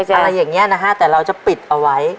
อะไรอย่างนี้นะฮะแต่เราจะปิดเอาไว้